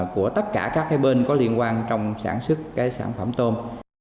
của tất cả các bên có liên quan trong sản xuất sản phẩm tôm